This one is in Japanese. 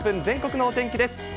全国のお天気です。